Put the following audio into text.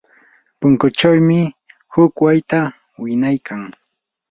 punkuchawmi huk wayta winaykan.